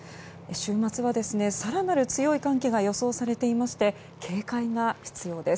週末は、更なる強い寒気が予想されていまして警戒が必要です。